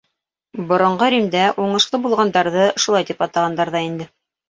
Боронғо Римдә уңышлы булғандарҙы шулай тип атағандар ҙа инде.